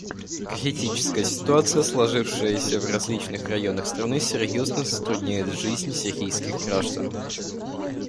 Критическая ситуация, сложившаяся в различных районах страны, серьезно затрудняет жизнь сирийских граждан.